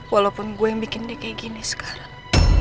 walaupun gue yang bikin dia kayak gini sekarang